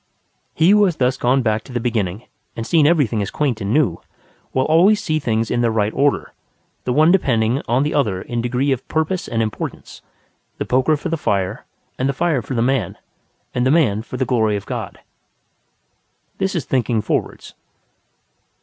He who has thus gone back to the beginning, and seen everything as quaint and new, will always see things in their right order, the one depending on the other in degree of purpose and importance: the poker for the fire and the fire for the man and the man for the glory of God. This is thinking forwards.